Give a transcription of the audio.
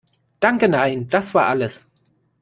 Danke nein, das war alles.